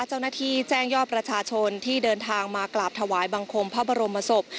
เจ้าหน้าที่แจ้งยอดประชาชนที่เดินทางมากราบถวายบังคมพระบรมศพ